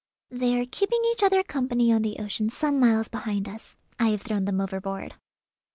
"They are keeping each other company on the ocean some miles behind us. I have thrown them overboard."